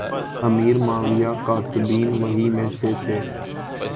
امیر معاویہ کاتبین وحی میں سے تھے